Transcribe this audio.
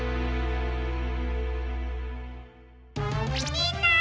みんな！